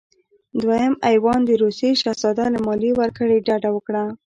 دویم ایوان د روسیې شهزاده له مالیې ورکړې ډډه وکړه.